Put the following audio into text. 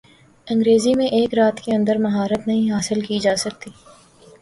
انگریزی میں ایک رات کے اندر مہارت نہیں حاصل کی جا سکتی